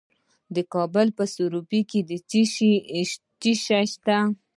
د کابل په سروبي کې څه شی شته؟